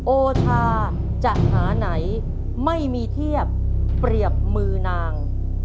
โอทาจะหาไหนไม่มีเทียบเปรียบมือนาง